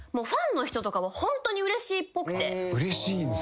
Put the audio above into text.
うれしいんすね。